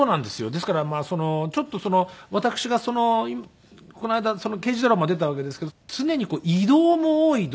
ですからまあちょっとその私がこの間刑事ドラマ出たわけですけど常に移動も多いドラマで。